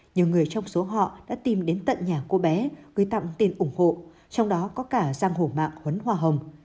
nhiều người trong số họ đã tìm đến tận nhà cô bé gửi tặng tiền ủng hộ trong đó có cả giang hổ mạng huấn hoa hồng